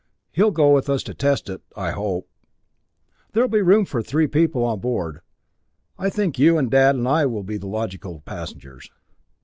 He'll go with us to test it I hope. There will be room for three other people aboard, and I think you and Dad and I will be the logical passengers."